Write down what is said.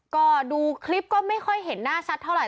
ก็ดูคลิปก็ไม่ค่อยเห็นหน้าชัดเท่าไห